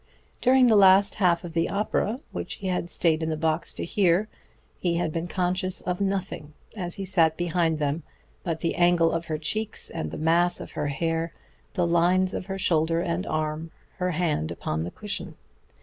During the last half of the opera, which he had stayed in the box to hear, he had been conscious of nothing, as he sat behind them, but the angle of her cheek and the mass of her hair, the lines of her shoulder and arm, her hand upon the cushion.